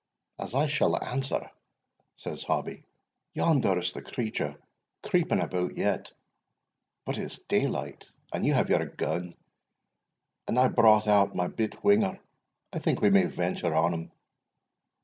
"As I shall answer," says Hobbie, "yonder's the creature creeping about yet! But it's daylight, and you have your gun, and I brought out my bit whinger I think we may venture on him."